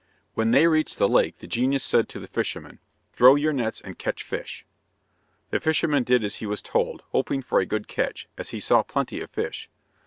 When they reached the lake the genius said to the fisherman, "Throw your nets and catch fish." The fisherman did as he was told, hoping for a good catch, as he saw plenty of fish.